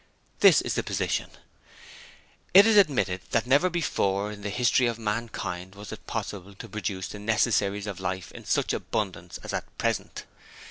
This is the position: It is admitted that never before in the history of mankind was it possible to produce the necessaries of life in such abundance as at present.